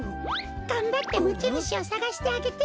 がんばってもちぬしをさがしてあげて。